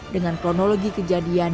dengan kronologi kejadian